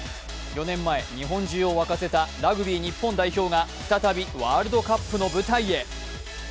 ４年前、日本中を沸かせたラグビー日本代表が再びワールドカップの舞台へ。